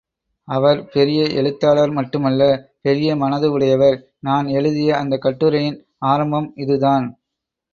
அவர் பெரிய எழுத்தாளர் மட்டுமல்ல, பெரிய மனது உடையவர், நான் எழுதிய அந்தக் கட்டுரையின் ஆரம்பம் இது தான்.